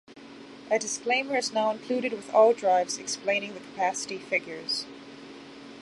A disclaimer is now included with all drives explaining the capacity figures.